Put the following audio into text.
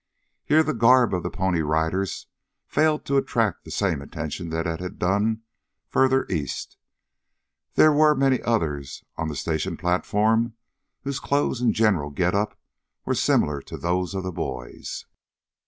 Here the garb of the Pony Riders failed to attract the same attention that it had done further east. There were many others on the station platform whose clothes and general get up were similar to those of the boys.